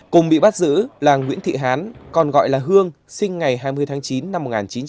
cùng bị bắt giữ là nguyễn thị hán còn gọi là hương sinh ngày hai mươi tháng chín năm một nghìn chín trăm bảy mươi